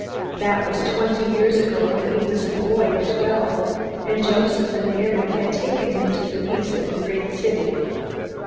That was twenty years ago, when he was a boy of twelve, and Joseph and Mary had taken him to the feast in the great city.